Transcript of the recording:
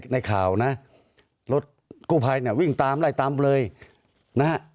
ในข่าวนะรถกู้ภัยเนี่ยวิ่งตามไล่ตามเลยนะฮะ